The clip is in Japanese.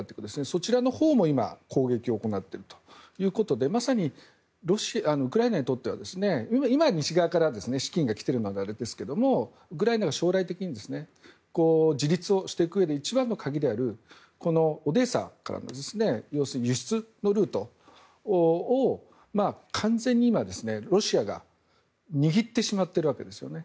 そちらのほうも今、攻撃を行っているということでまさにウクライナにとっては今、西側から資金が来ているのであれですがウクライナが将来的に自立をしていくうえで一番の鍵であるこのオデーサからの要するに輸出のルートを完全に今は、ロシアがにぎってしまっているわけですよね。